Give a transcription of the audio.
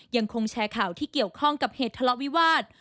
ยังคงแชร์ข่าวที่เกี่ยวข้องกับเหตุทะเลาะวิวาส